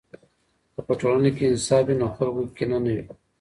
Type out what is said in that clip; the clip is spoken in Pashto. که په ټولنه کې انصاف وي، نو خلکو کې کینه نه وي.